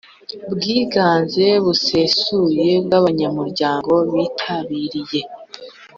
Bwiganze busesuye bw abanyamuryango bitabiriye